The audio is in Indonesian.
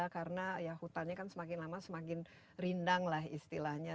karena ya hutannya kan semakin lama semakin rindang lah istilahnya